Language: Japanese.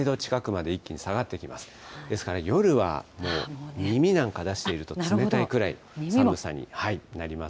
ですから、夜はもう、耳なんか出していると冷たいくらいの寒さになります。